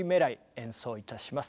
演奏いたします。